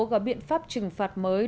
có biện pháp trừng phạt mới